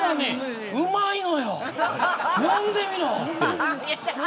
うまいのよ、飲んでみろって。